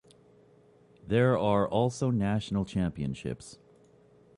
There are also national championships.